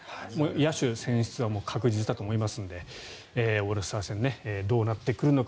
野手選出はもう確実だと思いますのでオールスター戦どうなってくるのか。